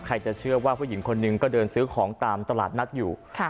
จะเชื่อว่าผู้หญิงคนหนึ่งก็เดินซื้อของตามตลาดนัดอยู่